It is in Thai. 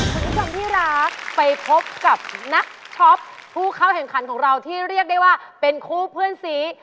คุณผู้ชมที่รักไปพบกับนักช็อปผู้เข้าแข่งขันของเราที่เรียกได้ว่าเป็นคู่เพื่อนสี